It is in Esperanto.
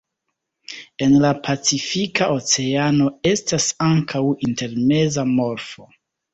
En la Pacifika Oceano estas ankaŭ intermeza morfo.